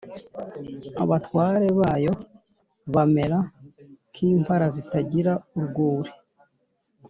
abatware bayo bamera nk’impara zitagira urwuri;